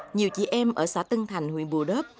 nhiều chị em ở xã tân thành huyện bù đớp